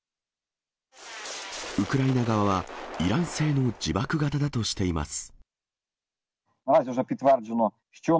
ウクライナ側は、イラン製の自爆型だとしています。